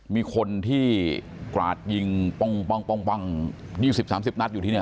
มีคนที่กราดยิงป้องยิงสิบสามสิบนัดอยู่ที่เนี่ย